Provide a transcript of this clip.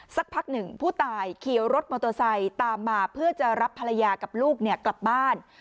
สักพักหนึ่งผู้ตายขี่รถมอเตอร์ไซค์ตามมาเพื่อจะรับภรรยากับลูกกลับบ้าน